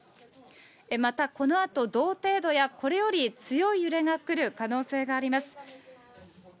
また、このあと同程度やこれより強い揺れが来る可能性があります。